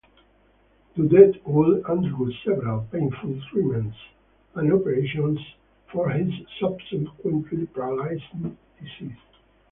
Daudet would undergo several painful treatments and operations for his subsequently paralyzing disease.